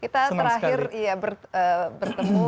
kita terakhir bertemu